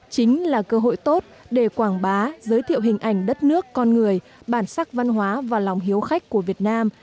chính là cơ hội tốt để quảng bá giới thiệu hình ảnh đất nước con người bản sắc văn hóa và lòng hiếu khách của việt nam